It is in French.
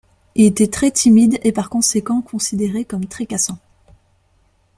Il était très timide et par conséquent considéré comme très cassant.